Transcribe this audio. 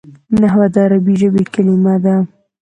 نحوه د عربي ژبي کلیمه ده.